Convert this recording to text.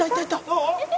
「どう？